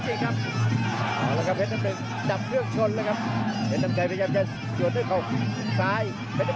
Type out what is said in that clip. เพชรน้ำหนึ่งเดินพยับเปรียบต่อหวานแค่ขวา